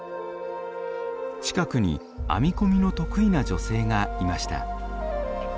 近くに編み込みの得意な女性がいました。